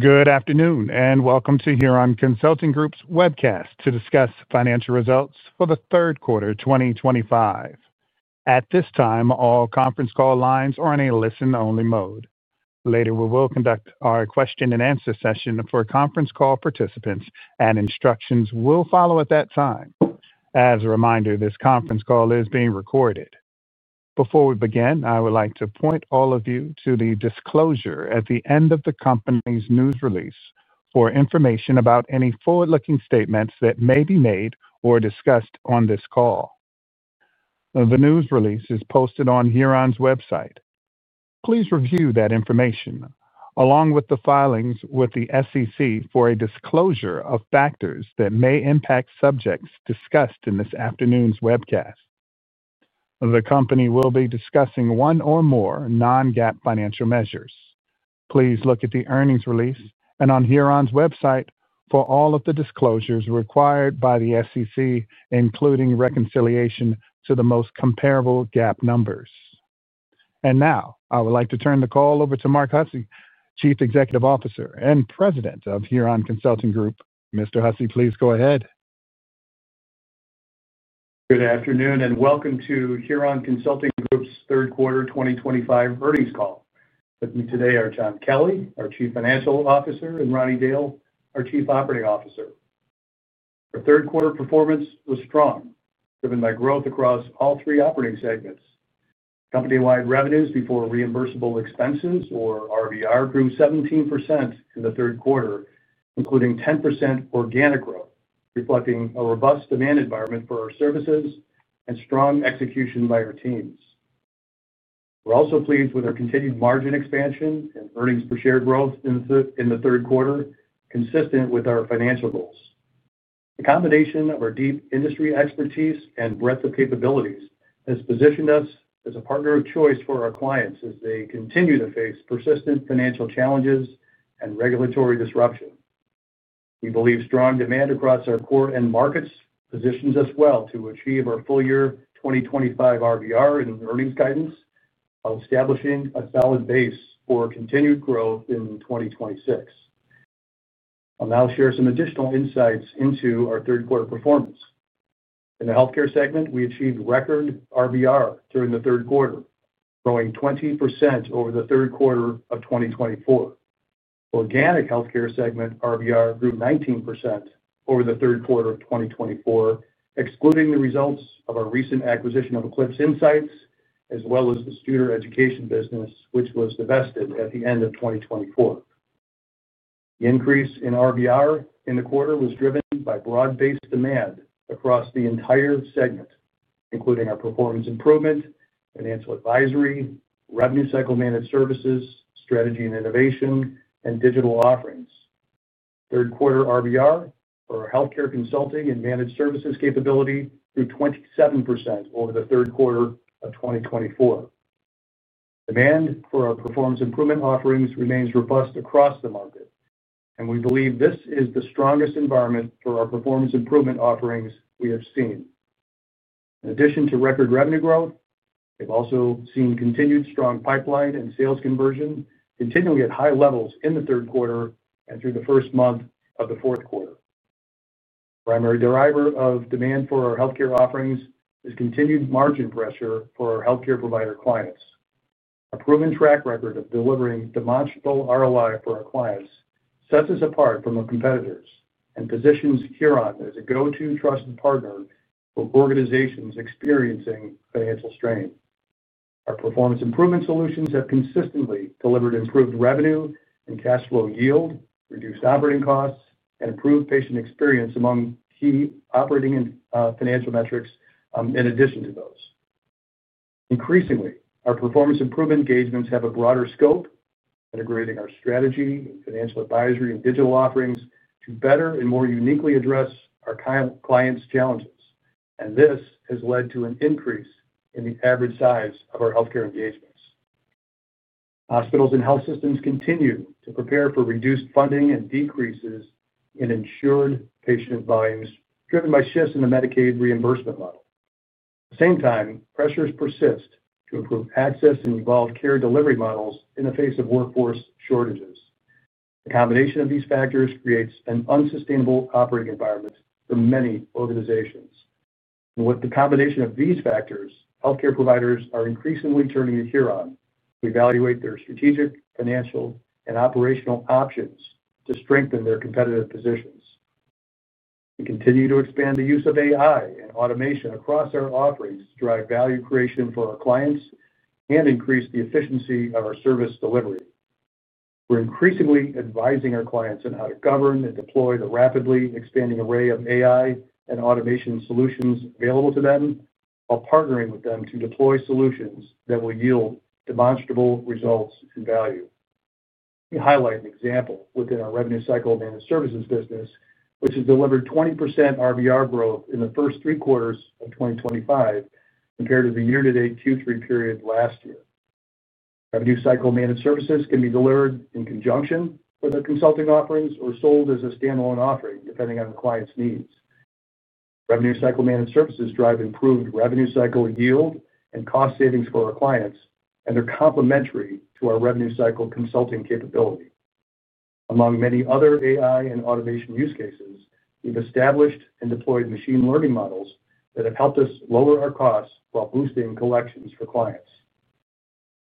Good afternoon and welcome to Huron Consulting Group's webcast to discuss financial results for the third quarter 2025. At this time, all conference call lines are in a listen-only mode. Later, we will conduct our question-and-answer session for conference call participants, and instructions will follow at that time. As a reminder, this conference call is being recorded. Before we begin, I would like to point all of you to the disclosure at the end of the company's news release for information about any forward-looking statements that may be made or discussed on this call. The news release is posted on Huron's website. Please review that information, along with the filings with the SEC for a disclosure of factors that may impact subjects discussed in this afternoon's webcast. The company will be discussing one or more non-GAAP financial measures. Please look at the earnings release and on Huron's website for all of the disclosures required by the SEC, including reconciliation to the most comparable GAAP numbers. I would like to turn the call over to Mark Hussey, Chief Executive Officer and President of Huron Consulting Group. Mr. Hussey, please go ahead. Good afternoon and welcome to Huron Consulting Group's third quarter 2025 earnings call. With me today are John Kelly, our Chief Financial Officer, and Ronnie Dail, our Chief Operating Officer. Our third quarter performance was strong, driven by growth across all three operating segments. Company-wide revenues before reimbursable expenses, or RVR, grew 17% in the third quarter, including 10% organic growth, reflecting a robust demand environment for our services and strong execution by our teams. We're also pleased with our continued margin expansion and earnings per share growth in the third quarter, consistent with our financial goals. The combination of our deep industry expertise and breadth of capabilities has positioned us as a partner of choice for our clients as they continue to face persistent financial challenges and regulatory disruption. We believe strong demand across our core end markets positions us well to achieve our full-year 2025 RVR in earnings guidance while establishing a solid base for continued growth in 2026. I'll now share some additional insights into our third quarter performance. In the healthcare segment, we achieved record RVR during the third quarter, growing 20% over the third quarter of 2024. The organic healthcare segment RVR grew 19% over the third quarter of 2024, excluding the results of our recent acquisition of Eclipse Insights, as well as the Studer Education business, which was divested at the end of 2024. The increase in RVR in the quarter was driven by broad-based demand across the entire segment, including our performance improvement, financial advisory, revenue cycle managed services, strategy and innovation, and digital offerings. Third quarter RVR for our healthcare consulting and managed services capability grew 27% over the third quarter of 2024. Demand for our performance improvement offerings remains robust across the market, and we believe this is the strongest environment for our performance improvement offerings we have seen. In addition to record revenue growth, we've also seen continued strong pipeline and sales conversion continuing at high levels in the third quarter and through the first month of the fourth quarter. The primary driver of demand for our healthcare offerings is continued margin pressure for our healthcare provider clients. Our proven track record of delivering demonstrable ROI for our clients sets us apart from our competitors and positions Huron as a go-to trusted partner for organizations experiencing financial strain. Our performance improvement solutions have consistently delivered improved revenue and cash flow yield, reduced operating costs, and improved patient experience among key operating and financial metrics in addition to those. Increasingly, our performance improvement engagements have a broader scope, integrating our strategy, financial advisory, and digital offerings to better and more uniquely address our clients' challenges. This has led to an increase in the average size of our healthcare engagements. Hospitals and health systems continue to prepare for reduced funding and decreases in insured patient volumes, driven by shifts in the Medicaid reimbursement model. At the same time, pressures persist to improve access and evolve care delivery models in the face of workforce shortages. The combination of these factors creates an unsustainable operating environment for many organizations. With the combination of these factors, healthcare providers are increasingly turning to Huron to evaluate their strategic, financial, and operational options to strengthen their competitive positions. We continue to expand the use of AI and automation across our offerings to drive value creation for our clients and increase the efficiency of our service delivery. We're increasingly advising our clients on how to govern and deploy the rapidly expanding array of AI and automation solutions available to them, while partnering with them to deploy solutions that will yield demonstrable results and value. We highlight an example within our revenue cycle managed services business, which has delivered 20% RVR growth in the first three quarters of 2025 compared to the year-to-date Q3 period last year. Revenue cycle managed services can be delivered in conjunction with the consulting offerings or sold as a standalone offering, depending on the client's needs. Revenue cycle managed services drive improved revenue cycle yield and cost savings for our clients, and they're complementary to our revenue cycle consulting capability. Among many other AI and automation use cases, we've established and deployed machine learning models that have helped us lower our costs while boosting collections for clients.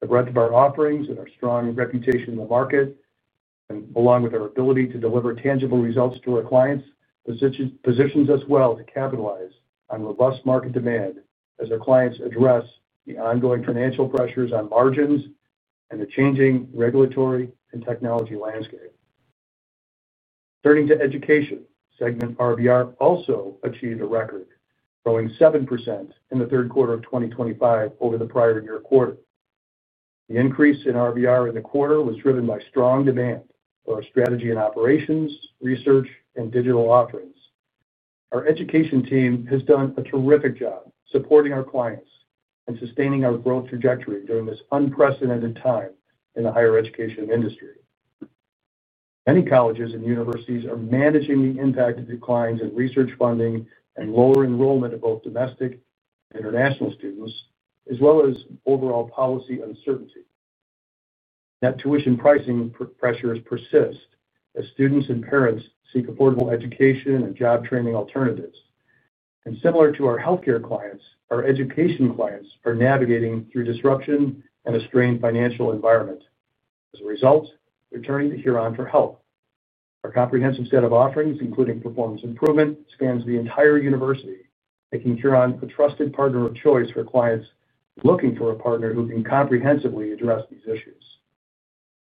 The breadth of our offerings and our strong reputation in the market, along with our ability to deliver tangible results to our clients, positions us well to capitalize on robust market demand as our clients address the ongoing financial pressures on margins and the changing regulatory and technology landscape. Turning to education, the segment RVR also achieved a record, growing 7% in the third quarter of 2025 over the prior year quarter. The increase in RVR in the quarter was driven by strong demand for our strategy and operations, research, and digital offerings. Our education team has done a terrific job supporting our clients and sustaining our growth trajectory during this unprecedented time in the higher education industry. Many colleges and universities are managing the impact of declines in research funding and lower enrollment of both domestic and international students, as well as overall policy uncertainty. Net tuition pricing pressures persist as students and parents seek affordable education and job training alternatives. Similar to our healthcare clients, our education clients are navigating through disruption and a strained financial environment. As a result, they're turning to Huron for help. Our comprehensive set of offerings, including performance improvement, spans the entire university, making Huron Consulting Group a trusted partner of choice for clients looking for a partner who can comprehensively address these issues.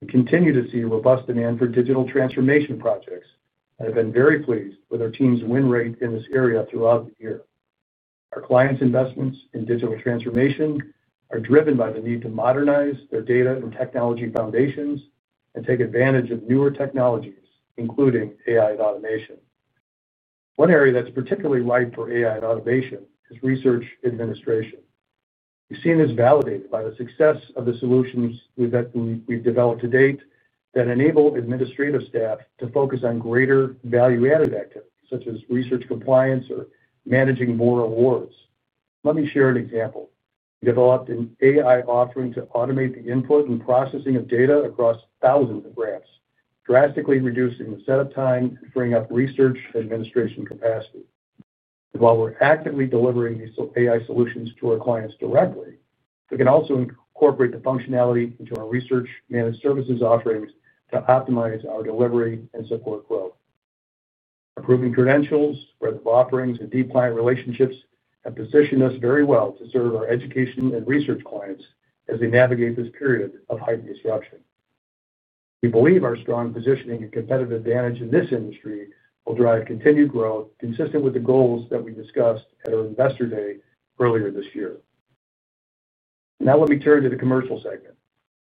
We continue to see robust demand for digital transformation projects and have been very pleased with our team's win rate in this area throughout the year. Our clients' investments in digital transformation are driven by the need to modernize their data and technology foundations and take advantage of newer technologies, including AI and automation. One area that's particularly ripe for AI and automation is research administration. We've seen this validated by the success of the solutions we've developed to date that enable administrative staff to focus on greater value-added activities, such as research compliance or managing more awards. Let me share an example. We developed an AI offering to automate the input and processing of data across thousands of grants, drastically reducing the setup time and freeing up research administration capacity. While we're actively delivering these AI solutions to our clients directly, we can also incorporate the functionality into our research managed services offerings to optimize our delivery and support growth. Approving credentials, breadth of offerings, and deep client relationships have positioned us very well to serve our education and research clients as they navigate this period of heightened disruption. We believe our strong positioning and competitive advantage in this industry will drive continued growth, consistent with the goals that we discussed at our investor day earlier this year. Now let me turn to the commercial segment.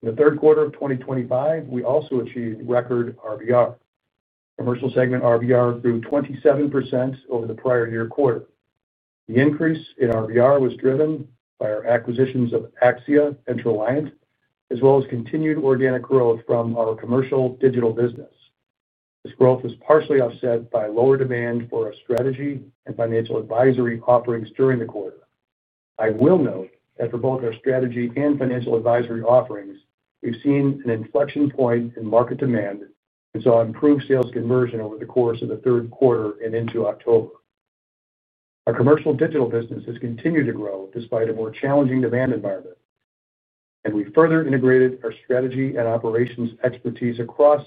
In the third quarter of 2025, we also achieved record RVR. Commercial segment RVR grew 27% over the prior year quarter. The increase in RVR was driven by our acquisitions of Axia and Treliant, as well as continued organic growth from our commercial digital business. This growth was partially offset by lower demand for our strategy and financial advisory offerings during the quarter. I will note that for both our strategy and financial advisory offerings, we've seen an inflection point in market demand and saw improved sales conversion over the course of the third quarter and into October. Our commercial digital business has continued to grow despite a more challenging demand environment. We further integrated our strategy and operations expertise across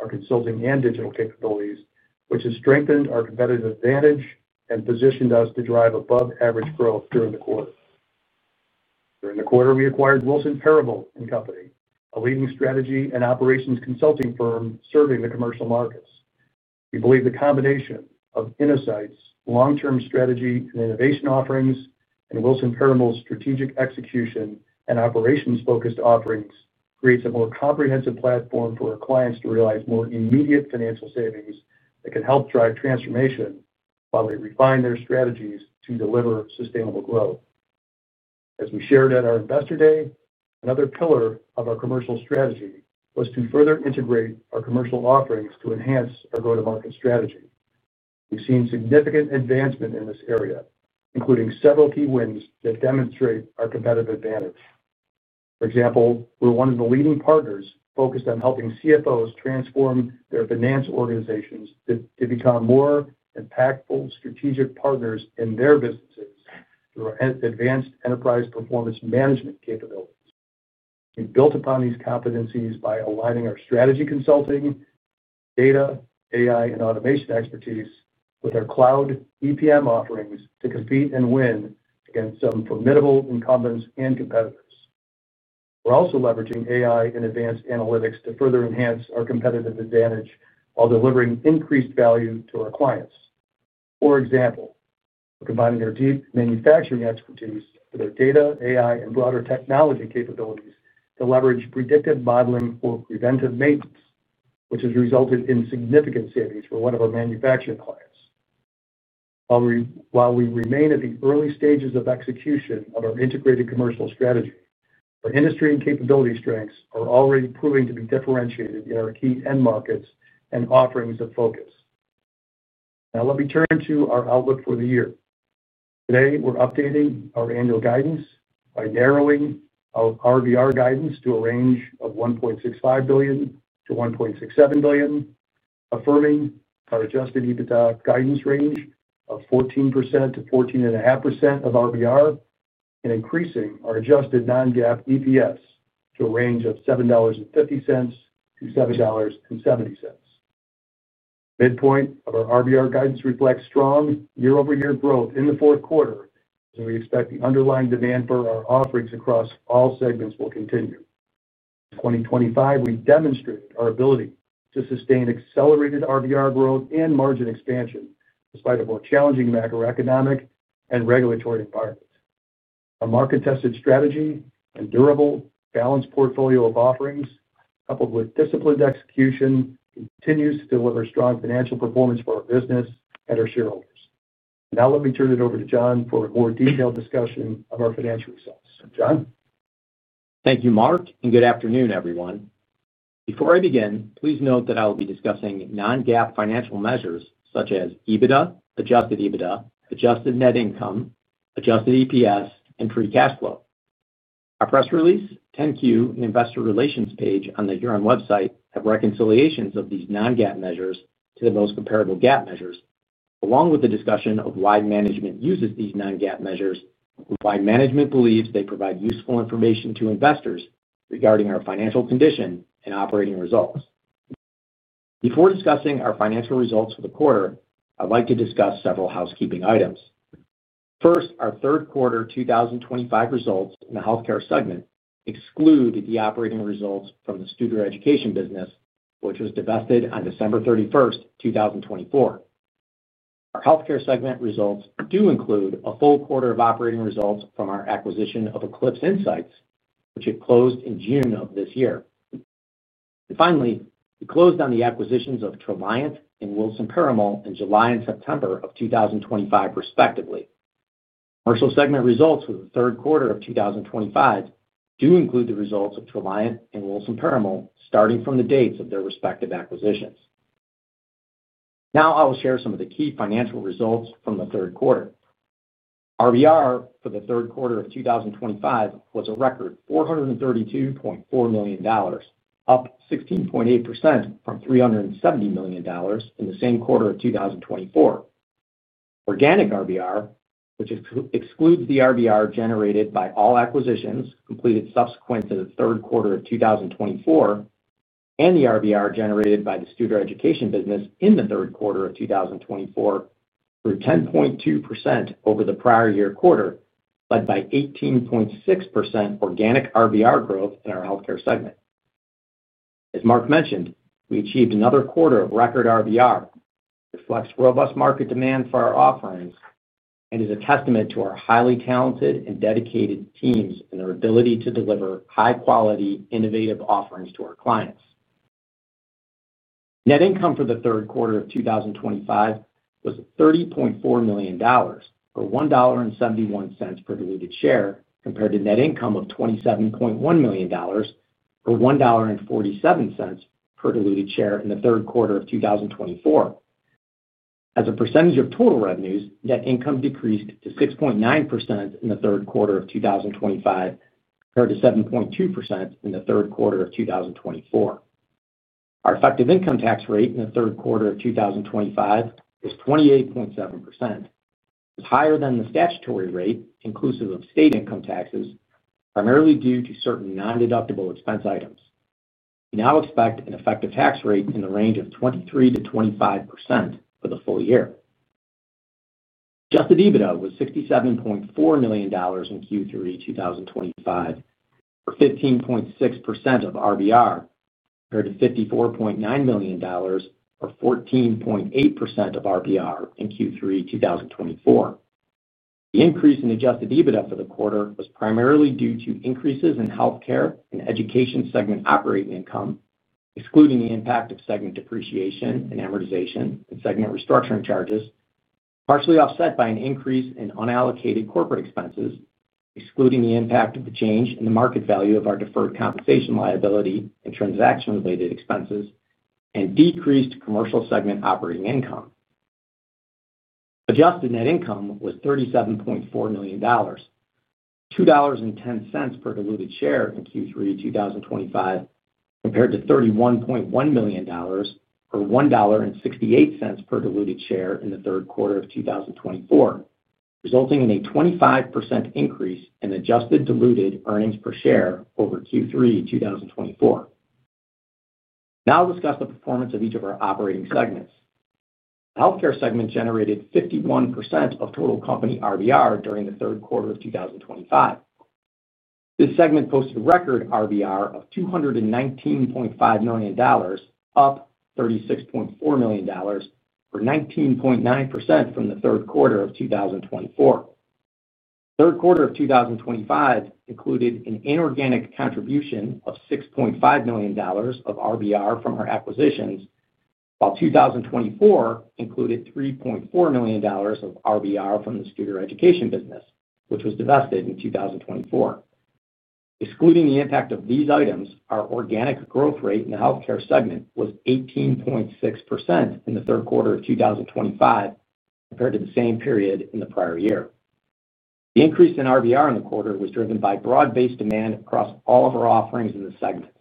our consulting and digital capabilities, which has strengthened our competitive advantage and positioned us to drive above-average growth during the quarter. During the quarter, we acquired Wilson Perumal & Company, a leading strategy and operations consulting firm serving the commercial markets. We believe the combination of Innosight's long-term strategy and innovation offerings and Wilson Perumal's strategic execution and operations-focused offerings creates a more comprehensive platform for our clients to realize more immediate financial savings that can help drive transformation while they refine their strategies to deliver sustainable growth. As we shared at our investor day, another pillar of our commercial strategy was to further integrate our commercial offerings to enhance our go-to-market strategy. We've seen significant advancement in this area, including several key wins that demonstrate our competitive advantage. For example, we're one of the leading partners focused on helping CFOs transform their finance organizations to become more impactful strategic partners in their businesses through advanced enterprise performance management capabilities. We've built upon these competencies by aligning our strategy consulting, data, AI, and automation expertise with our cloud EPM offerings to compete and win against some formidable incumbents and competitors. We're also leveraging AI and advanced analytics to further enhance our competitive advantage while delivering increased value to our clients. For example, we're combining our deep manufacturing expertise with our data, AI, and broader technology capabilities to leverage predictive modeling for preventive maintenance, which has resulted in significant savings for one of our manufacturing clients. While we remain at the early stages of execution of our integrated commercial strategy, our industry and capability strengths are already proving to be differentiated in our key end markets and offerings of focus. Now let me turn to our outlook for the year. Today, we're updating our annual guidance by narrowing our RVR guidance to a range of $1.65 billion-$1.67 billion, affirming our adjusted EBITDA guidance range of 14%-14.5% of RVR, and increasing our adjusted non-GAAP EPS to a range of $7.50-$7.70. The midpoint of our RVR guidance reflects strong year-over-year growth in the fourth quarter, and we expect the underlying demand for our offerings across all segments will continue. In 2025, we demonstrated our ability to sustain accelerated RVR growth and margin expansion in spite of a more challenging macroeconomic and regulatory environment. Our market-tested strategy and durable balanced portfolio of offerings, coupled with disciplined execution, continue to deliver strong financial performance for our business and our shareholders. Now let me turn it over to John for a more detailed discussion of our financial results. John? Thank you, Mark, and good afternoon, everyone. Before I begin, please note that I'll be discussing non-GAAP financial measures such as EBITDA, adjusted EBITDA, adjusted net income, adjusted EPS, and free cash flow. Our press release, 10-Q, and investor relations page on the Huron website have reconciliations of these non-GAAP measures to the most comparable GAAP measures, along with the discussion of why management uses these non-GAAP measures and why management believes they provide useful information to investors regarding our financial condition and operating results. Before discussing our financial results for the quarter, I'd like to discuss several housekeeping items. First, our third quarter 2025 results in the healthcare segment exclude the operating results from the Studer Education business, which was divested on December 31, 2024. Our healthcare segment results do include a full quarter of operating results from our acquisition of Eclipse Insights, which had closed in June of this year. Finally, we closed on the acquisitions of Treliant and Wilson Perumal & Company in July and September of 2025, respectively. Commercial segment results for the third quarter of 2025 do include the results of Treliant and Wilson Perumal, starting from the dates of their respective acquisitions. Now I will share some of the key financial results from the third quarter. RVR for the third quarter of 2025 was a record $432.4 million, up 16.8% from $370 million in the same quarter of 2024. Organic RVR, which excludes the RVR generated by all acquisitions completed subsequent to the third quarter of 2024, and the RVR generated by the Studer Education business in the third quarter of 2024, grew 10.2% over the prior year quarter, led by 18.6% organic RVR growth in our healthcare segment. As Mark mentioned, we achieved another quarter of record RVR, reflects robust market demand for our offerings, and is a testament to our highly talented and dedicated teams and their ability to deliver high-quality, innovative offerings to our clients. Net income for the third quarter of 2025 was $30.4 million or $1.71 per diluted share, compared to net income of $27.1 million or $1.47 per diluted share in the third quarter of 2024. As a percentage of total revenues, net income decreased to 6.9% in the third quarter of 2025, compared to 7.2% in the third quarter of 2024. Our effective income tax rate in the third quarter of 2025 is 28.7%. It's higher than the statutory rate inclusive of state income taxes, primarily due to certain non-deductible expense items. We now expect an effective tax rate in the range of 23%-25% for the full year. Adjusted EBITDA was $67.4 million in Q3 2025, or 15.6% of RVR, compared to $54.9 million or 14.8% of RVR in Q3 2024. The increase in adjusted EBITDA for the quarter was primarily due to increases in healthcare and education segment operating income, excluding the impact of segment depreciation and amortization and segment restructuring charges, partially offset by an increase in unallocated corporate expenses, excluding the impact of the change in the market value of our deferred compensation liability and transaction-related expenses, and decreased commercial segment operating income. Adjusted net income was $37.4 million or $2.10 per diluted share in Q3 2025, compared to $31.1 million or $1.68 per diluted share in the third quarter of 2024, resulting in a 25% increase in adjusted diluted earnings per share over Q3 2024. Now I'll discuss the performance of each of our operating segments. The healthcare segment generated 51% of total company RVR during the third quarter of 2025. This segment posted a record RVR of $219.5 million, up $36.4 million or 19.9% from the third quarter of 2024. The third quarter of 2025 included an inorganic contribution of $6.5 million of RVR from our acquisitions, while 2024 included $3.4 million of RVR from the Studer Education business, which was divested in 2024. Excluding the impact of these items, our organic growth rate in the healthcare segment was 18.6% in the third quarter of 2025, compared to the same period in the prior year. The increase in RVR in the quarter was driven by broad-based demand across all of our offerings in the segment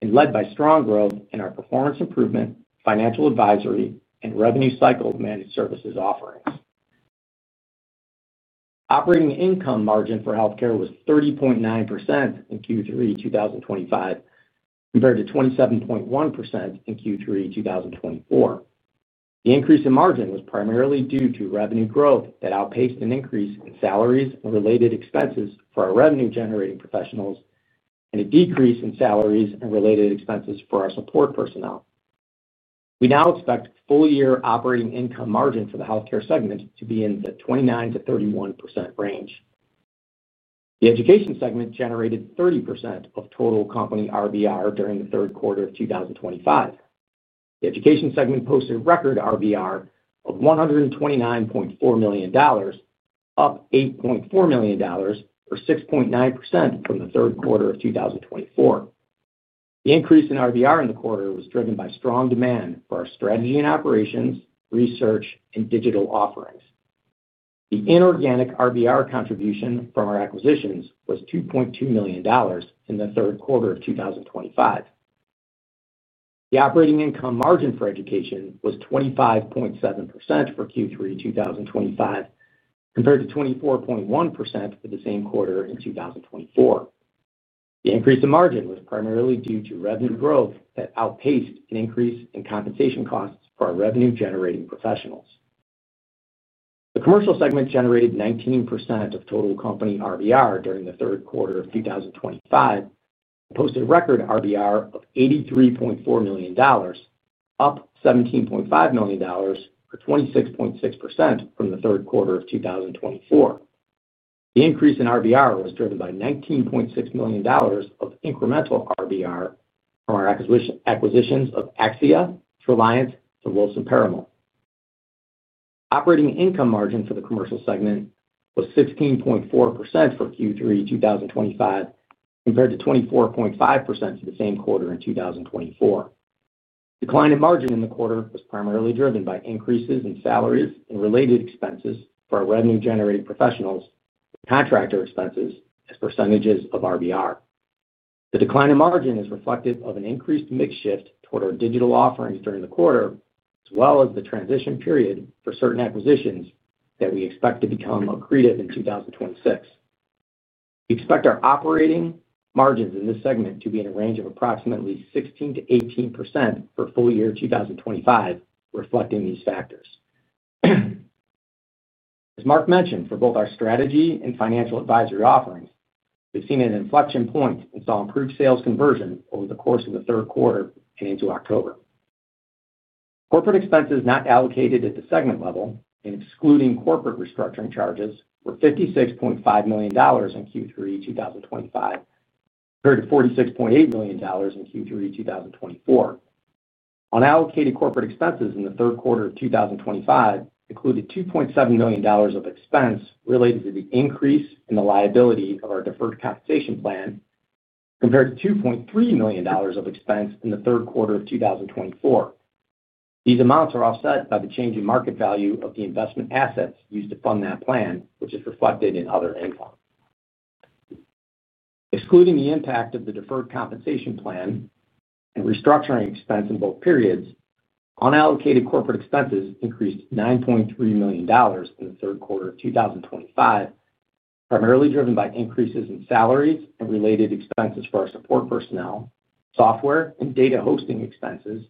and led by strong growth in our performance improvement, financial advisory, and revenue cycle managed services offerings. Operating income margin for healthcare was 30.9% in Q3 2025, compared to 27.1% in Q3 2024. The increase in margin was primarily due to revenue growth that outpaced an increase in salaries and related expenses for our revenue-generating professionals and a decrease in salaries and related expenses for our support personnel. We now expect full-year operating income margin for the healthcare segment to be in the 29%-31% range. The education segment generated 30% of total company RVR during the third quarter of 2025. The education segment posted a record RVR of $129.4 million, up $8.4 million or 6.9% from the third quarter of 2024. The increase in RVR in the quarter was driven by strong demand for our strategy and operations, research, and digital offerings. The inorganic RVR contribution from our acquisitions was $2.2 million in the third quarter of 2025. The operating income margin for education was 25.7% for Q3 2025, compared to 24.1% for the same quarter in 2024. The increase in margin was primarily due to revenue growth that outpaced an increase in compensation costs for our revenue-generating professionals. The commercial segment generated 19% of total company RVR during the third quarter of 2025 and posted a record RVR of $83.4 million, up $17.5 million or 26.6% from the third quarter of 2024. The increase in RVR was driven by $19.6 million of incremental RVR from our acquisitions of Axia, Treliant, and Wilson Perumal. Operating income margin for the commercial segment was 16.4% for Q3 2025, compared to 24.5% for the same quarter in 2024. The decline in margin in the quarter was primarily driven by increases in salaries and related expenses for our revenue-generating professionals and contractor expenses as percentages of RVR. The decline in margin is reflective of an increased mix shift toward our digital offerings during the quarter, as well as the transition period for certain acquisitions that we expect to become accretive in 2026. We expect our operating margins in this segment to be in a range of approximately 16%-18% for full year 2025, reflecting these factors. As Mark mentioned, for both our strategy and financial advisory offerings, we've seen an inflection point and saw improved sales conversion over the course of the third quarter and into October. Corporate expenses not allocated at the segment level, and excluding corporate restructuring charges, were $56.5 million in Q3 2025, compared to $46.8 million in Q3 2024. Unallocated corporate expenses in the third quarter of 2025 included $2.7 million of expense related to the increase in the liability of our deferred compensation plan, compared to $2.3 million of expense in the third quarter of 2024. These amounts are offset by the change in market value of the investment assets used to fund that plan, which is reflected in other income. Excluding the impact of the deferred compensation plan and restructuring expense in both periods, unallocated corporate expenses increased $9.3 million in the third quarter of 2025, primarily driven by increases in salaries and related expenses for our support personnel, software and data hosting expenses,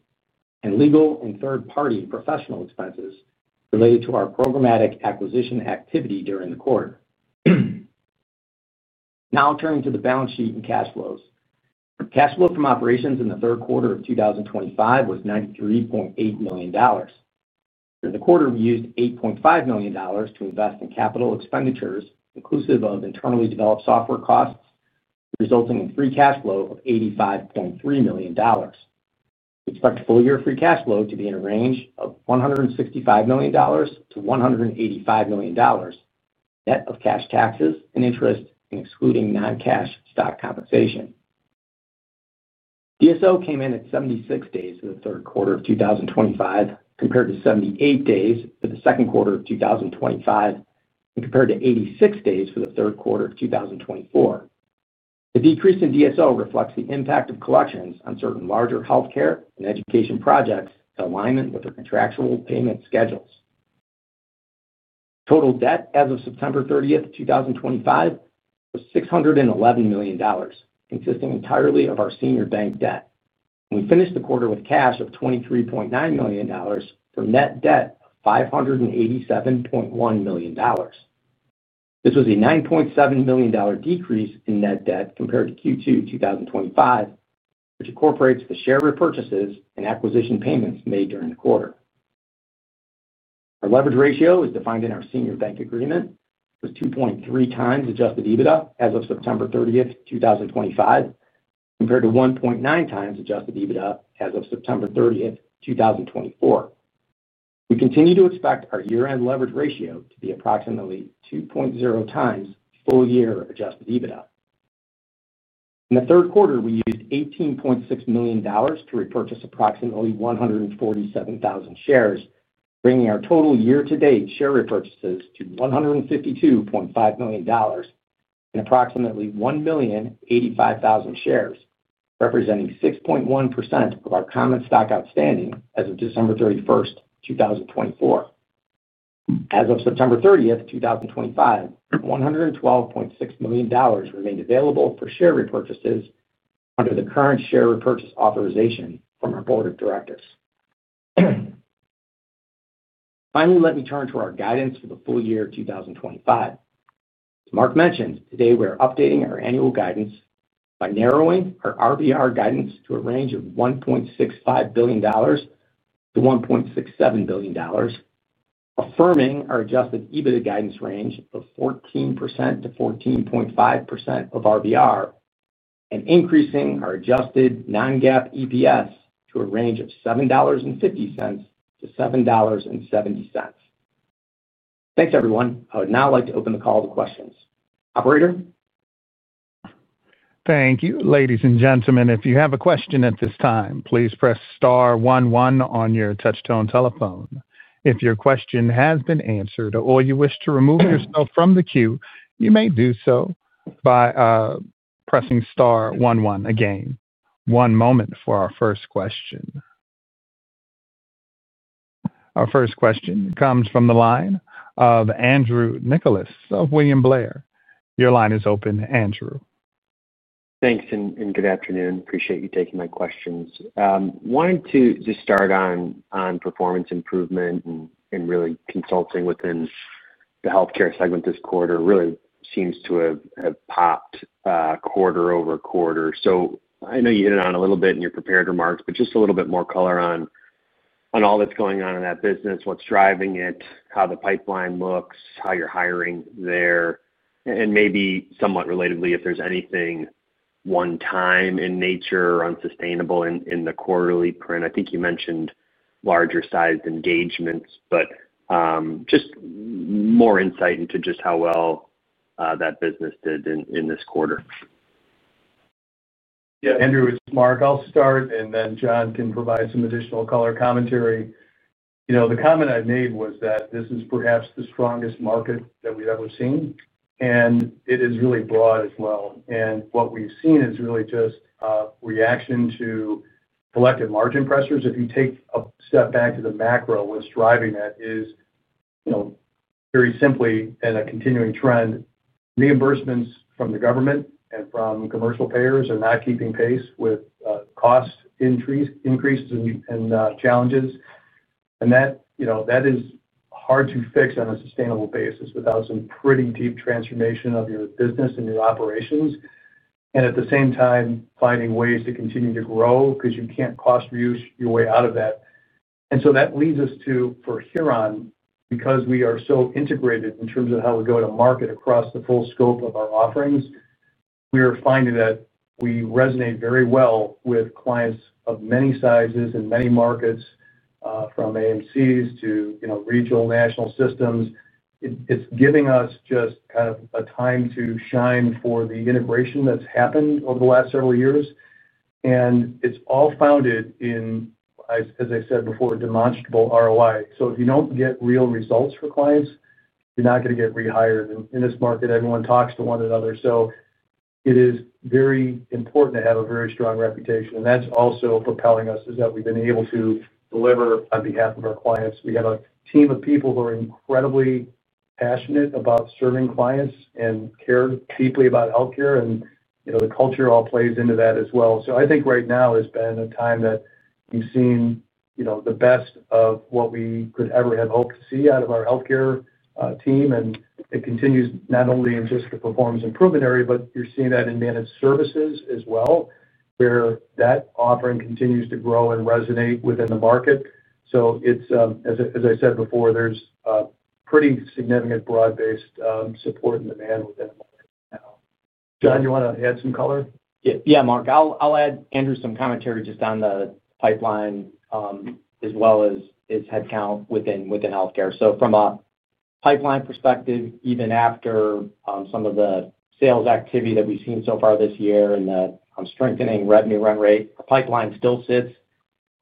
and legal and third-party professional expenses related to our programmatic acquisition activity during the quarter. Now turning to the balance sheet and cash flows. Our cash flow from operations in the third quarter of 2025 was $93.8 million. During the quarter, we used $8.5 million to invest in capital expenditures, inclusive of internally developed software costs, resulting in a free cash flow of $85.3 million. We expect full-year free cash flow to be in a range of $165 million-$185 million, net of cash taxes and interest, and excluding non-cash stock compensation. DSO came in at 76 days for the third quarter of 2025, compared to 78 days for the second quarter of 2025, and compared to 86 days for the third quarter of 2024. The decrease in DSO reflects the impact of collections on certain larger healthcare and education projects in alignment with our contractual payment schedules. Total debt as of September 30, 2025 was $611 million, consisting entirely of our senior bank debt. We finished the quarter with cash of $23.9 million for net debt of $587.1 million. This was a $9.7 million decrease in net debt compared to Q2 2025, which incorporates the share repurchases and acquisition payments made during the quarter. Our leverage ratio is defined in our senior bank agreement. It was 2.3x adjusted EBITDA as of September 30, 2025, compared to 1.9x adjusted EBITDA as of September 30, 2024. We continue to expect our year-end leverage ratio to be approximately 2.0x full-year adjusted EBITDA. In the third quarter, we used $18.6 million to repurchase approximately 147,000 shares, bringing our total year-to-date share repurchases to $152.5 million and approximately 1,085,000 shares, representing 6.1% of our common stock outstanding as of December 31, 2024. As of September 30, 2025, $112.6 million remained available for share repurchases under the current share repurchase authorization from our board of directors. Finally, let me turn to our guidance for the full year 2025. As Mark mentioned, today we're updating our annual guidance by narrowing our RVR guidance to a range of $1.65 billion-$1.67 billion, affirming our adjusted EBITDA guidance range of 14%-14.5% of RVR, and increasing our adjusted non-GAAP EPS to a range of $7.50-$7.70. Thanks, everyone. I would now like to open the call to questions. Operator? Thank you. Ladies and gentlemen, if you have a question at this time, please press star one-one on your touch-tone telephone. If your question has been answered or you wish to remove yourself from the queue, you may do so by pressing star one-one again. One moment for our first question. Our first question comes from the line of Andrew Nicholas of William Blair. Your line is open, Andrew. Thanks, and good afternoon. Appreciate you taking my questions. I wanted to just start on performance improvement and really consulting within the healthcare segment this quarter really seems to have popped quarter over quarter. I know you hit it on a little bit in your prepared remarks, but just a little bit more color on all that's going on in that business, what's driving it, how the pipeline looks, how you're hiring there, and maybe somewhat relatedly, if there's anything one-time in nature or unsustainable in the quarterly print. I think you mentioned larger sized engagements, but just more insight into just how well that business did in this quarter. Yeah, Andrew, it's Mark. I'll start, and then John can provide some additional color commentary. The comment I made was that this is perhaps the strongest market that we've ever seen, and it is really broad as well. What we've seen is really just a reaction to collective margin pressures. If you take a step back to the macro, what's driving that is, very simply and a continuing trend, reimbursements from the government and from commercial payers are not keeping pace with cost increases and challenges. That is hard to fix on a sustainable basis without some pretty deep transformation of your business and your operations, and at the same time, finding ways to continue to grow because you can't cost-reduce your way out of that. That leads us to, for Huron, because we are so integrated in terms of how we go to market across the full scope of our offerings, we are finding that we resonate very well with clients of many sizes and many markets, from AMCs to regional national systems. It's giving us just kind of a time to shine for the integration that's happened over the last several years. It's all founded in, as I said before, demonstrable ROI. If you don't get real results for clients, you're not going to get rehired. In this market, everyone talks to one another. It is very important to have a very strong reputation. That's also propelling us, is that we've been able to deliver on behalf of our clients. We have a team of people who are incredibly passionate about serving clients and care deeply about healthcare, and the culture all plays into that as well. I think right now has been a time that we've seen the best of what we could ever have hoped to see out of our healthcare team. It continues not only in just the performance improvement area, but you're seeing that in managed services as well, where that offering continues to grow and resonate within the market. There is a pretty significant broad-based support and demand within the market now. John, you want to add some color? Yeah, Mark, I'll add some commentary just on the pipeline, as well as headcount within healthcare. From a pipeline perspective, even after some of the sales activity that we've seen so far this year and the strengthening revenue run rate, the pipeline still sits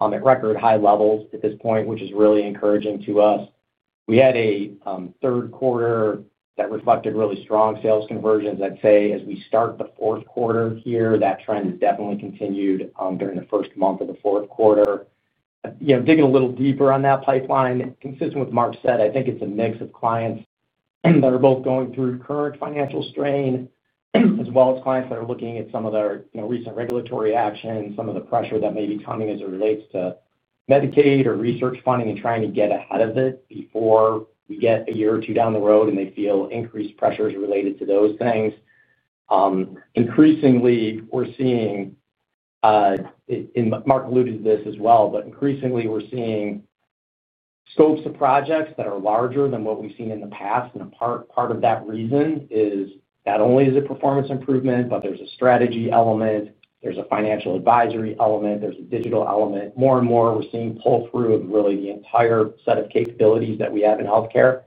at record high levels at this point, which is really encouraging to us. We had a third quarter that reflected really strong sales conversions. I'd say as we start the fourth quarter here, that trend definitely continued during the first month of the fourth quarter. Digging a little deeper on that pipeline, consistent with what Mark said, I think it's a mix of clients that are both going through current financial strain, as well as clients that are looking at some of their recent regulatory actions, some of the pressure that may be coming as it relates to Medicaid or research funding and trying to get ahead of it before we get a year or two down the road and they feel increased pressures related to those things. Increasingly, we're seeing, and Mark alluded to this as well, but increasingly we're seeing scopes of projects that are larger than what we've seen in the past. A part of that reason is not only is it performance improvement, but there's a strategy element, there's a financial advisory element, there's a digital element. More and more, we're seeing pull-through of really the entire set of capabilities that we have in healthcare.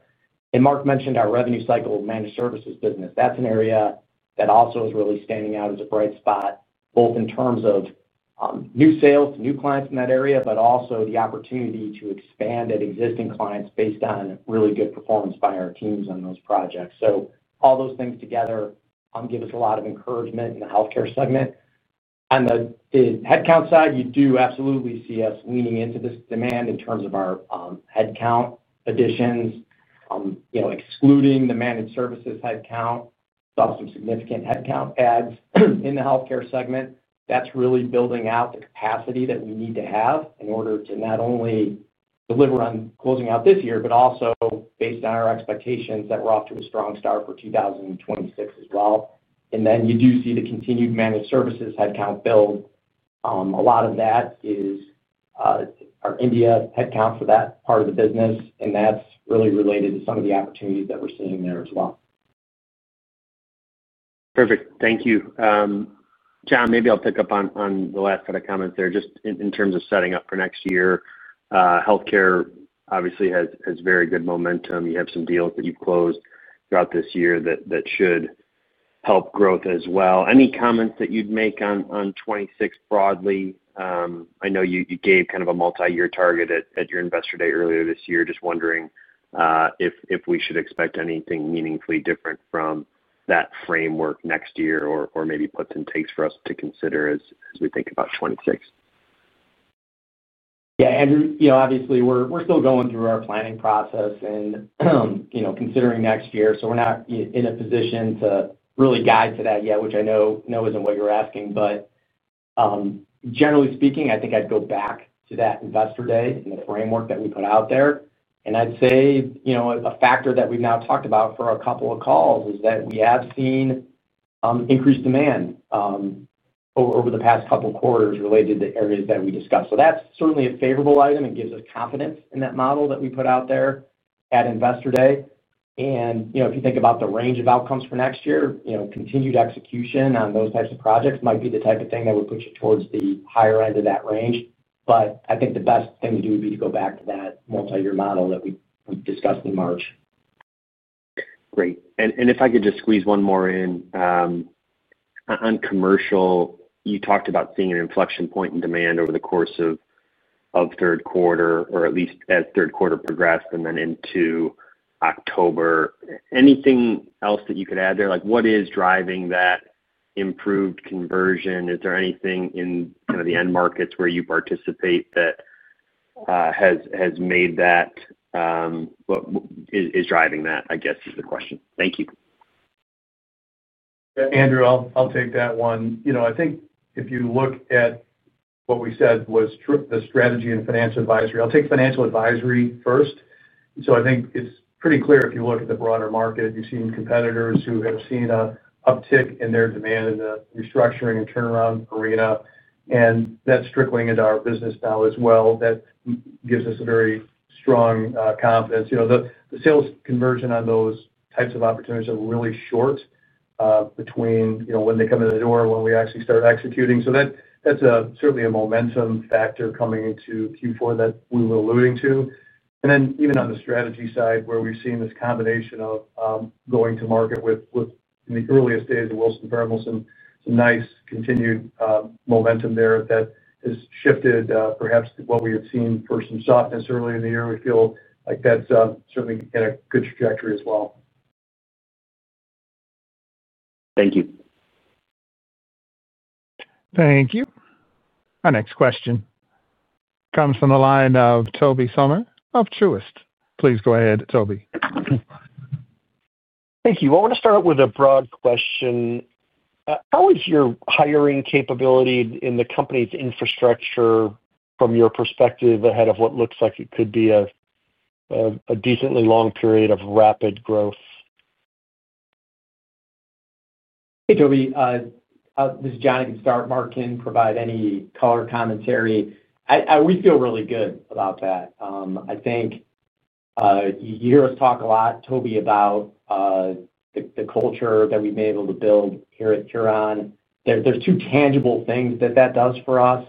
Mark mentioned our revenue cycle managed services business. That's an area that also is really standing out as a bright spot, both in terms of new sales to new clients in that area, but also the opportunity to expand at existing clients based on really good performance by our teams on those projects. All those things together give us a lot of encouragement in the healthcare segment. On the headcount side, you do absolutely see us leaning into this demand in terms of our headcount additions. Excluding the managed services headcount, we still have some significant headcount adds in the healthcare segment. That's really building out the capacity that we need to have in order to not only deliver on closing out this year, but also based on our expectations that we're off to a strong start for 2026 as well. You do see the continued managed services headcount build. A lot of that is our India headcount for that part of the business, and that's really related to some of the opportunities that we're seeing there as well. Perfect. Thank you. John, maybe I'll pick up on the last set of comments there. Just in terms of setting up for next year, healthcare obviously has very good momentum. You have some deals that you've closed throughout this year that should help growth as well. Any comments that you'd make on 2026 broadly? I know you gave kind of a multi-year target at your investor day earlier this year, just wondering if we should expect anything meaningfully different from that framework next year or maybe puts and takes for us to consider as we think about 2026? Yeah, Andrew, obviously we're still going through our planning process and considering next year. We're not in a position to really guide to that yet, which I know isn't what you're asking. Generally speaking, I think I'd go back to that investor day and the framework that we put out there. I'd say a factor that we've now talked about for a couple of calls is that we have seen increased demand over the past couple of quarters related to the areas that we discussed. That's certainly a favorable item. It gives us confidence in that model that we put out there at investor day. If you think about the range of outcomes for next year, continued execution on those types of projects might be the type of thing that would push it towards the higher end of that range. I think the best thing to do would be to go back to that multi-year model that we discussed in March. Great. If I could just squeeze one more in, on commercial, you talked about seeing an inflection point in demand over the course of the third quarter, or at least as the third quarter progressed and then into October. Anything else that you could add there? What is driving that improved conversion? Is there anything in the end markets where you participate that has made that? What is driving that, I guess, is the question. Thank you. Yeah, Andrew, I'll take that one. I think if you look at what we said was the strategy and financial advisory, I'll take financial advisory first. I think it's pretty clear if you look at the broader market, you've seen competitors who have seen an uptick in their demand in the restructuring and turnaround arena. That's trickling into our business now as well. That gives us very strong confidence. The sales conversion on those types of opportunities are really short, between when they come in the door and when we actually start executing. That's certainly a momentum factor coming into Q4 that we were alluding to. Even on the strategy side, where we've seen this combination of going to market with, in the earliest days of Wilson Perumal, some nice continued momentum there that has shifted, perhaps what we had seen for some softness earlier in the year. We feel like that's certainly in a good trajectory as well. Thank you. Thank you. Our next question comes from the line of Tobey Sommer of Truist. Please go ahead, Tobey. Thank you. I want to start out with a broad question. How is your hiring capability in the company's infrastructure from your perspective ahead of what looks like it could be a decently long period of rapid growth? Hey, Tobey, this is John. I can start. Mark can provide any color commentary. We feel really good about that. I think you hear us talk a lot, Tobey, about the culture that we've been able to build here at Huron. There are two tangible things that that does for us.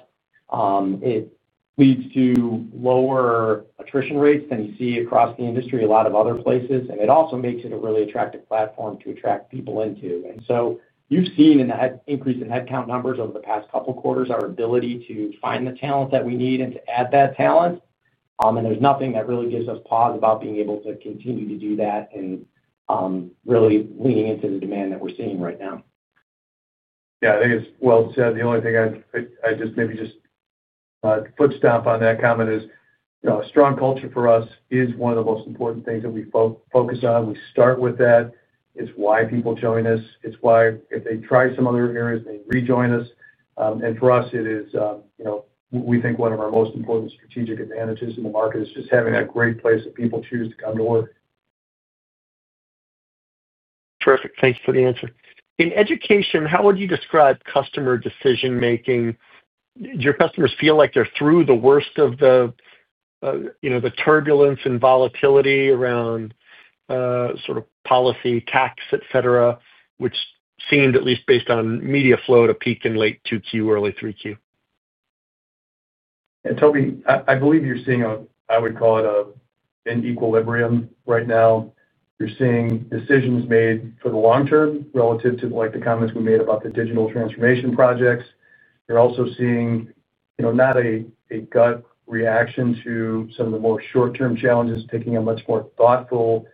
It leads to lower attrition rates than you see across the industry in a lot of other places. It also makes it a really attractive platform to attract people into. You've seen an increase in headcount numbers over the past couple of quarters, our ability to find the talent that we need and to add that talent. There's nothing that really gives us pause about being able to continue to do that and really leaning into the demand that we're seeing right now. Yeah, I think it's well said. The only thing I'd maybe footstomp on that comment is, you know, a strong culture for us is one of the most important things that we focus on. We start with that. It's why people join us. It's why if they try some other areas, they rejoin us. For us, it is, you know, we think one of our most important strategic advantages in the market is just having a great place that people choose to come to work. Terrific. Thanks for the answer. In education, how would you describe customer decision-making? Do your customers feel like they're through the worst of the turbulence and volatility around, sort of policy, tax, etc., which seemed, at least based on media flow, to peak in late Q2, early Q3? Yeah, Tobey, I believe you're seeing an equilibrium right now. You're seeing decisions made for the long term relative to the comments we made about the digital transformation projects. You're also seeing not a gut reaction to some of the more short-term challenges, taking a much more thoughtful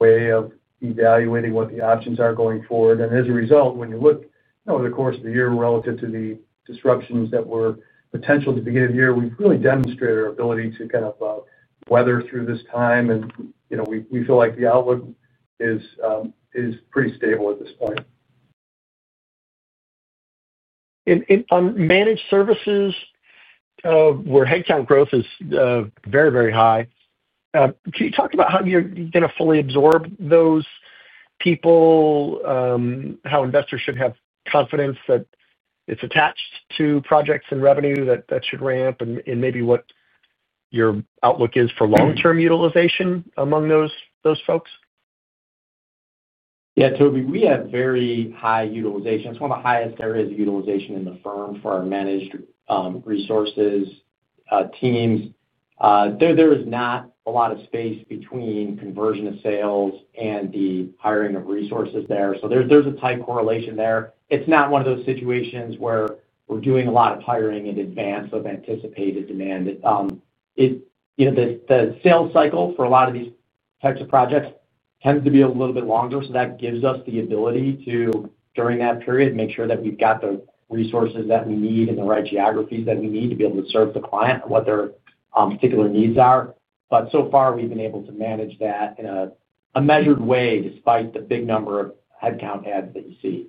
way of evaluating what the options are going forward. As a result, when you look over the course of the year relative to the disruptions that were potential at the beginning of the year, we've really demonstrated our ability to kind of weather through this time. We feel like the outlook is pretty stable at this point. On managed services, where headcount growth is very, very high, can you talk about how you're going to fully absorb those people, how investors should have confidence that it's attached to projects and revenue that should ramp, and maybe what your outlook is for long-term utilization among those folks? Yeah, Tobey, we have very high utilization. It's one of the highest areas of utilization in the firm for our managed resources teams. There is not a lot of space between conversion of sales and the hiring of resources there. There's a tight correlation there. It's not one of those situations where we're doing a lot of hiring in advance of anticipated demand. The sales cycle for a lot of these types of projects tends to be a little bit longer. That gives us the ability to, during that period, make sure that we've got the resources that we need in the right geographies that we need to be able to serve the client and what their particular needs are. So far, we've been able to manage that in a measured way, despite the big number of headcount adds that you see.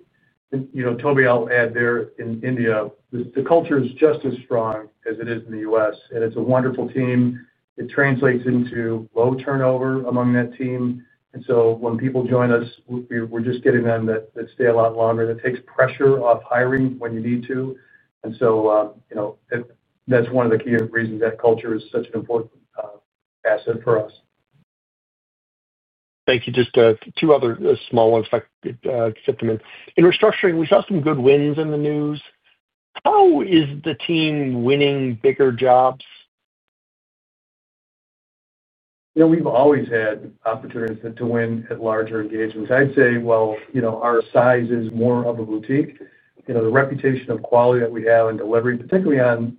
Tobey, I'll add there in India, the culture is just as strong as it is in the U.S., and it's a wonderful team. It translates into low turnover among that team. When people join us, we're just getting them that stay a lot longer. That takes pressure off hiring when you need to. That's one of the key reasons that culture is such an important asset for us. Thank you. Just two other small ones, if I can fit them in. In restructuring, we saw some good wins in the news. How is the team winning bigger jobs? You know, we've always had opportunities to win at larger engagements. Our size is more of a boutique. The reputation of quality that we have in delivery, particularly on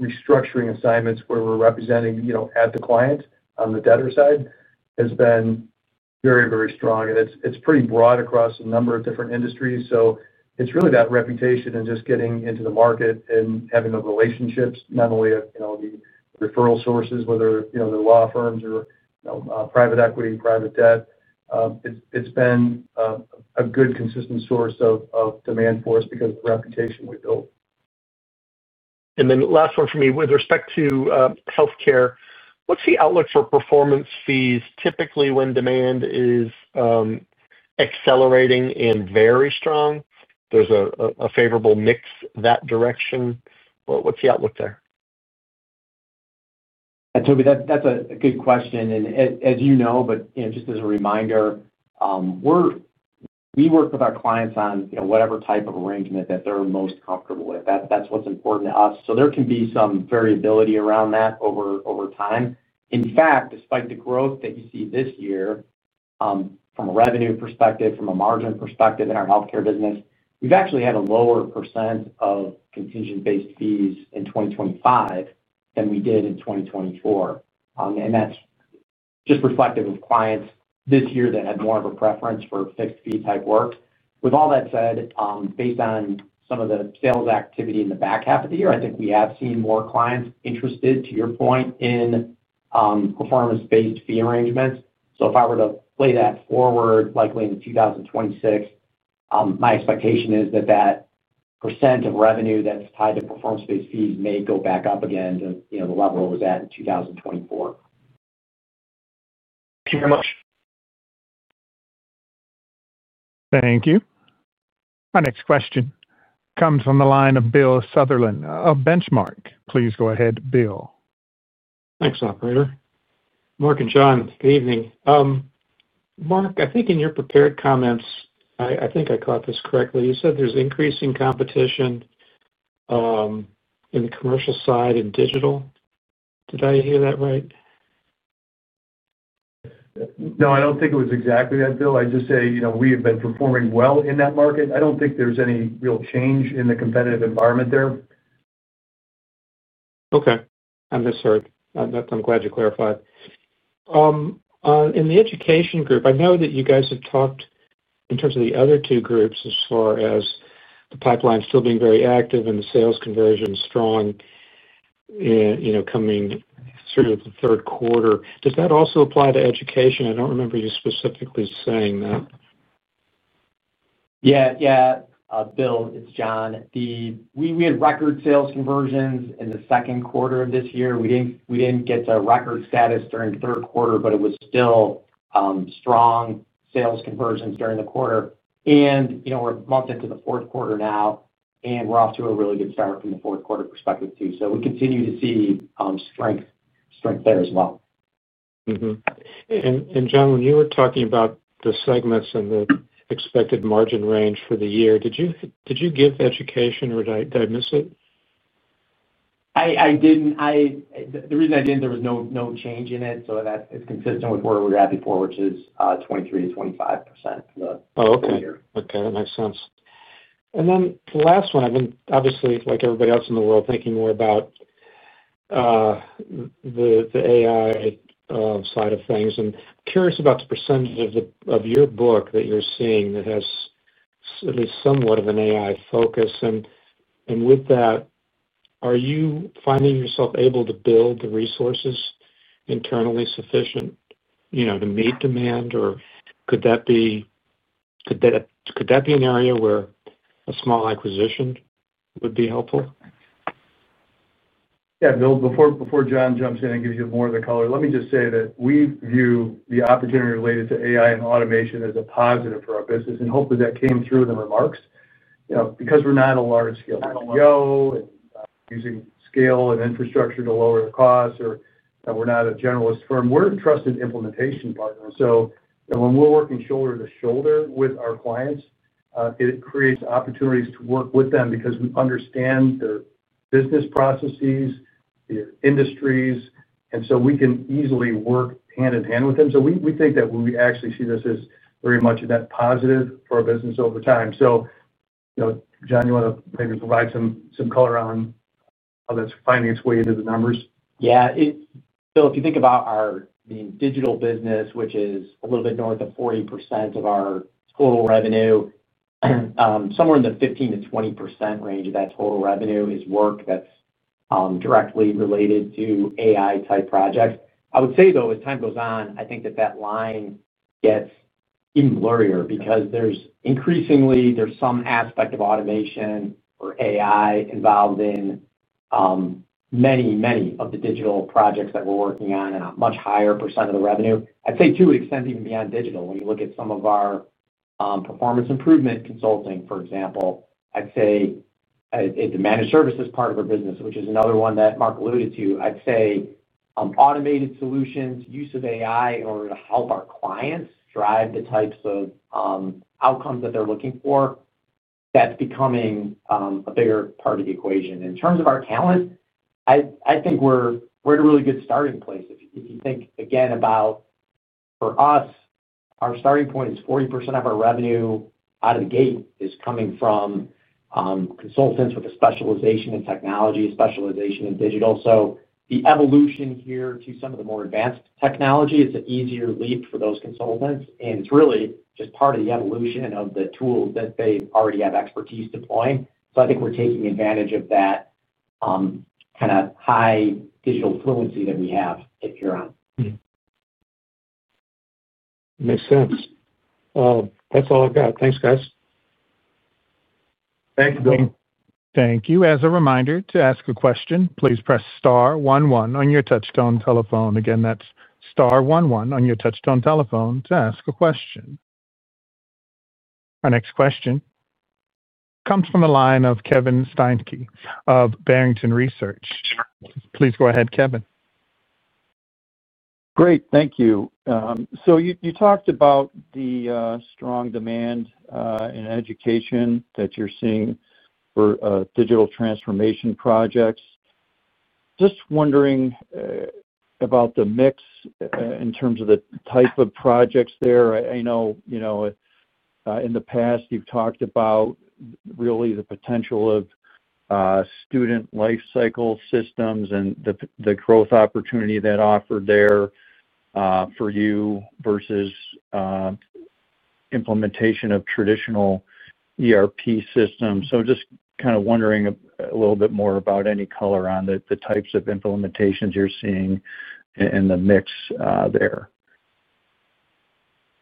restructuring assignments where we're representing at the client on the debtor side, has been very, very strong. It's pretty broad across a number of different industries. It's really that reputation and just getting into the market and having the relationships, not only the referral sources, whether they're law firms or private equity, private debt. It's been a good consistent source of demand for us because of the reputation we've built. With respect to healthcare, what's the outlook for performance-based fee arrangements? Typically, when demand is accelerating and very strong, there's a favorable mix that direction. What's the outlook there? Yeah, Tobey, that's a good question. As you know, just as a reminder, we work with our clients on whatever type of arrangement that they're most comfortable with. That's what's important to us. There can be some variability around that over time. In fact, despite the growth that you see this year from a revenue perspective, from a margin perspective in our healthcare business, we've actually had a lower percent of contingent-based fees in 2025 than we did in 2024. That's just reflective of clients this year that had more of a preference for fixed-fee type work. With all that said, based on some of the sales activity in the back half of the year, I think we have seen more clients interested, to your point, in performance-based fee arrangements. If I were to play that forward, likely in 2026, my expectation is that percent of revenue that's tied to performance-based fees may go back up again to the level it was at in 2024. Thank you very much. Thank you. Our next question comes from the line of Bill Sutherland at Benchmark. Please go ahead, Bill. Thanks, operator. Mark and John, good evening. Mark, I think in your prepared comments, I think I caught this correctly. You said there's increasing competition in the commercial side and digital. Did I hear that right? No, I don't think it was exactly that, Bill. I'd just say, you know, we have been performing well in that market. I don't think there's any real change in the competitive environment there. Okay. I misheard. I'm glad you clarified. In the education group, I know that you guys have talked in terms of the other two groups as far as the pipeline still being very active and the sales conversion strong, coming through the third quarter. Does that also apply to education? I don't remember you specifically saying that. Yeah, Bill, it's John. We had record sales conversions in the second quarter of this year. We didn't get to record status during the third quarter, but it was still strong sales conversions during the quarter. We're a month into the fourth quarter now, and we're off to a really good start from the fourth quarter perspective too. We continue to see strength there as well. John, when you were talking about the segments and the expected margin range for the year, did you give education or did I miss it? I didn't. The reason I didn't, there was no change in it. That is consistent with where we were at before, which is 23%-25% for the year. Okay, that makes sense. The last one, I've been obviously, like everybody else in the world, thinking more about the AI side of things. I'm curious about the percentage of your book that you're seeing that has at least somewhat of an AI focus. With that, are you finding yourself able to build the resources internally sufficient to meet demand, or could that be an area where a small acquisition would be helpful? Yeah, Bill, before John jumps in and gives you more of the color, let me just say that we view the opportunity related to AI and automation as a positive for our business. Hopefully, that came through in the remarks. You know, because we're not a large-scale CEO and using scale and infrastructure to lower our costs, or we're not a generalist firm, we're a trusted implementation partner. When we're working shoulder to shoulder with our clients, it creates opportunities to work with them because we understand their business processes, their industries, and we can easily work hand in hand with them. We think that we actually see this as very much a net positive for our business over time. John, you want to maybe provide some color on how that's finding its way into the numbers? Yeah, if you think about our digital business, which is a little bit north of 40% of our total revenue, somewhere in the 15%-20% range of that total revenue is work that's directly related to AI-type projects. I would say, though, as time goes on, I think that line gets even blurrier because increasingly, there's some aspect of automation or AI involved in many, many of the digital projects that we're working on and a much higher percent of the revenue. I'd say to an extent even beyond digital, when you look at some of our performance improvement consulting, for example, the managed services part of our business, which is another one that Mark alluded to, automated solutions, use of AI in order to help our clients drive the types of outcomes that they're looking for, that's becoming a bigger part of the equation. In terms of our talent, I think we're at a really good starting place. If you think again about, for us, our starting point is 40% of our revenue out of the gate is coming from consultants with a specialization in technology, a specialization in digital. The evolution here to some of the more advanced technology, it's an easier leap for those consultants. It's really just part of the evolution of the tools that they already have expertise deploying. I think we're taking advantage of that kind of high digital fluency that we have at Huron. Makes sense. That's all I've got. Thanks, guys. Thank you, Bill. Thank you. As a reminder, to ask a question, please press star one-one on your touch-tone telephone. Again, that's star one-one on your touch-tone telephone to ask a question. Our next question comes from the line of Kevin Steinke of Barrington Research. Sure, please go ahead, Kevin. Great. Thank you. You talked about the strong demand in education that you're seeing for digital transformation projects. Just wondering about the mix in terms of the type of projects there. I know in the past, you've talked about really the potential of student lifecycle systems and the growth opportunity that's offered there for you versus implementation of traditional ERP systems. Just kind of wondering a little bit more about any color on the types of implementations you're seeing in the mix there.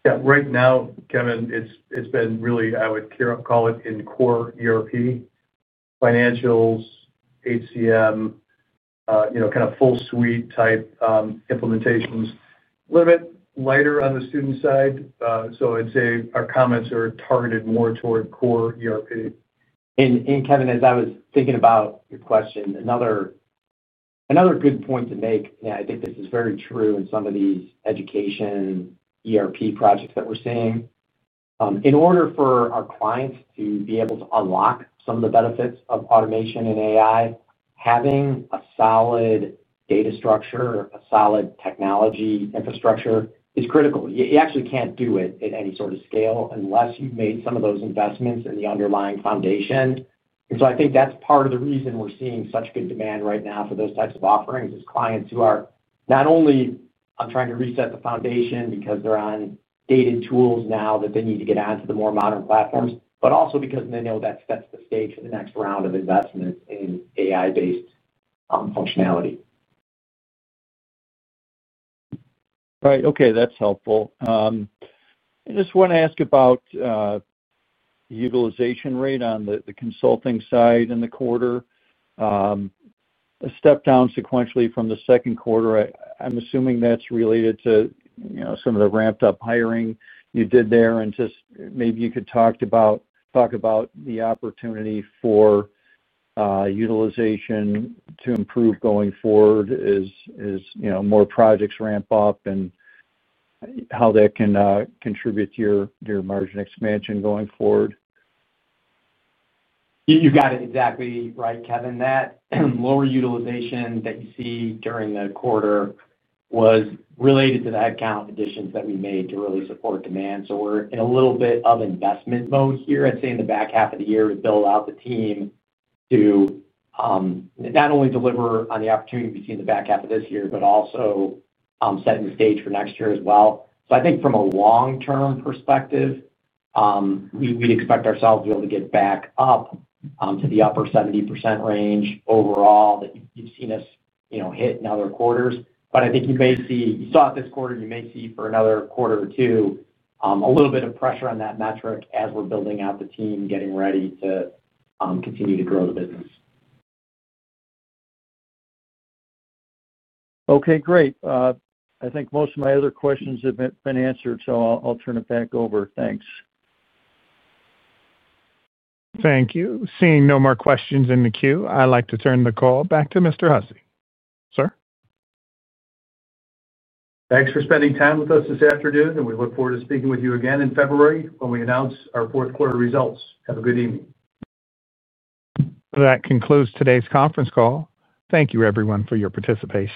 Yeah, right now, Kevin, it's been really, I would call it in core ERP, financials, HCM, you know, kind of full suite type implementations. It's a little bit lighter on the student side. I'd say our comments are targeted more toward core ERP. Kevin, as I was thinking about your question, another good point to make, and I think this is very true in some of these education ERP projects that we're seeing, in order for our clients to be able to unlock some of the benefits of automation and AI, having a solid data structure, a solid technology infrastructure is critical. You actually can't do it at any sort of scale unless you've made some of those investments in the underlying foundation. I think that's part of the reason we're seeing such good demand right now for those types of offerings. Clients are not only trying to reset the foundation because they're on dated tools now that they need to get onto the more modern platforms, but also because they know that's the stage for the next round of investment in AI-based functionality. Right. Okay, that's helpful. I just want to ask about the utilization rate on the consulting side in the quarter, a step down sequentially from the second quarter. I'm assuming that's related to some of the ramped-up hiring you did there. Maybe you could talk about the opportunity for utilization to improve going forward as more projects ramp up and how that can contribute to your margin expansion going forward. You got it exactly right, Kevin. That lower utilization that you see during the quarter was related to the headcount additions that we made to really support demand. We're in a little bit of investment mode here. I'd say in the back half of the year, we build out the team to not only deliver on the opportunity we see in the back half of this year, but also set the stage for next year as well. I think from a long-term perspective, we'd expect ourselves to be able to get back up to the upper 70% range overall that you've seen us hit in other quarters. I think you may see, you saw it this quarter, and you may see for another quarter or two, a little bit of pressure on that metric as we're building out the team, getting ready to continue to grow the business. Okay, great. I think most of my other questions have been answered, so I'll turn it back over. Thanks. Thank you. Seeing no more questions in the queue, I'd like to turn the call back to Mr. Hussey. Sir? Thanks for spending time with us this afternoon, and we look forward to speaking with you again in February when we announce our fourth quarter results. Have a good evening. That concludes today's conference call. Thank you, everyone, for your participation.